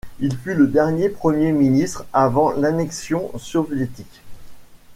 Il fut le dernier Premier ministre avant l'annexion soviétique.